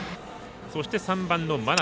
そして、３番の眞邉。